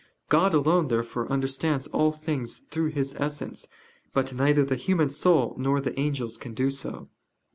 God alone, therefore, understands all things through His Essence: but neither the human soul nor the angels can do so.